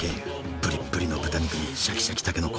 ぶりっぶりの豚肉にシャキシャキたけのこ。